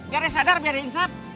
biar dia sadar biar dia insap